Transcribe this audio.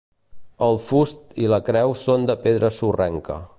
El fust i la creu són de pedra sorrenca.